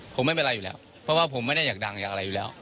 ผมไม่เป็นไรอยู่แล้วเพราะว่าผมไม่ได้อยากดังอยากอะไรอยู่แล้ว